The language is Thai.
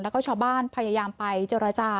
แล้วก็ชาวบ้านพยายามไปเจรจา